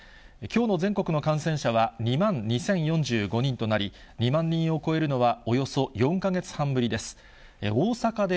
きょうの全国の感染者は２万２０４５人となり、２万人を超えるのは、およそ４か月半ぶりです。